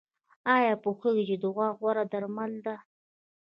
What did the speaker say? ایا پوهیږئ چې دعا غوره درمل ده؟